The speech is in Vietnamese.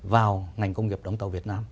vào ngành công nghiệp đóng tàu việt nam